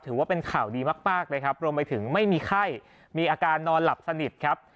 ถือว่าเป็นข่าวดีมากนะครับรวมไปถึงไม่มีไข้มีอาการนอนหลับสนิทครับ